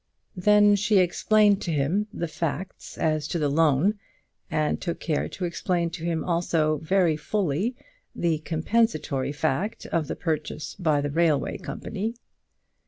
Then she explained to him the facts as to the loan, and took care to explain to him also, very fully, the compensatory fact of the purchase by the railway company.